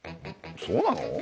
そうなの？